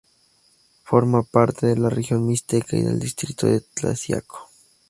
Forma parte de la región Mixteca y del distrito de Tlaxiaco.